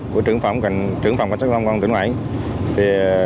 của trưởng phòng cảnh sát giao thông công an tỉnh quảng ngãi